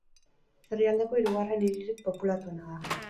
Herrialdeko hirugarren hiririk populatuena da.